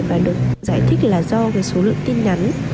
và được giải thích là do số lượng tin nhắn